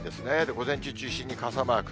午前中を中心に傘マーク。